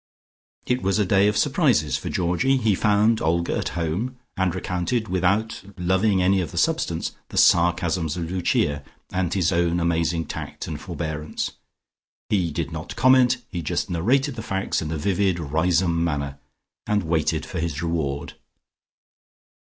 It was a day of surprises for Georgie. He found Olga at home, and recounted, without loving any of the substance, the sarcasms of Lucia, and his own amazing tact and forbearance. He did not comment, he just narrated the facts in the vivid Riseholme manner, and waited for his reward.